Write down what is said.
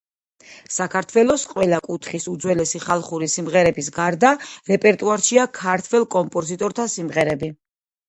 საქართველო ყველა კუთხის უძველესი ხალხური სიმღერების გარდა რეპერტუარშია ქართველ კომპოზიტორთა სიმღერები.